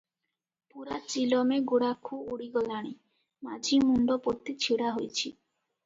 ପୂରା ଚିଲମେ ଗୁଡାଖୁ ଉଡ଼ି ଗଲାଣି, ମାଝି ମୁଣ୍ଡ ପୋତି ଛିଡାହୋଇଛି ।